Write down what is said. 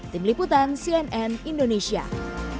tim liputan cnn indonesia